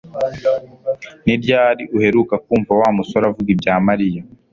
Ni ryari uheruka kumva Wa musore avuga ibya Mariya